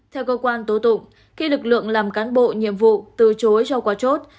theo cơ quan tố tụng khi lực lượng làm cán bộ nhiệm vụ từ chối cho qua chốt